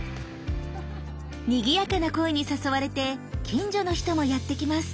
にぎやかな声に誘われて近所の人もやって来ます。